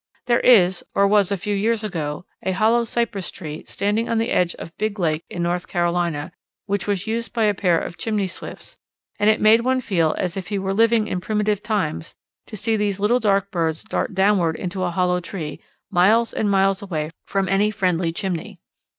There is or was a few years ago a hollow cypress tree standing on the edge of Big Lake in North Carolina which was used by a pair of Chimney Swifts, and it made one feel as if he were living in primitive times to see these little dark birds dart downward into a hollow tree, miles and miles away from any friendly chimney.